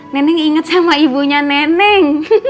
nenek inget sama ibunya nenek